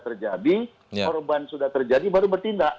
terjadi korban sudah terjadi baru bertindak